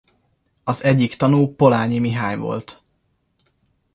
Az egyik tanú Polányi Mihály volt.